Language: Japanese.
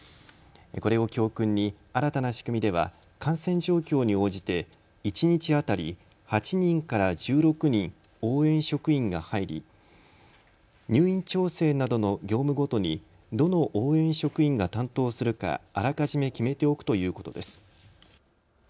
これを教訓に新たな仕組みでは感染状況に応じて一日当たり８人から１６人、応援職員が入り入院調整などの業務ごとにどの応援職員が担当するかあらかじめ決めておくということです。